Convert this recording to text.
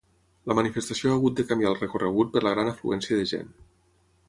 La manifestació ha hagut de canviar el recorregut per la gran afluència de gent.